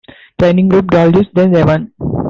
Training Group Dalditch, then Devon.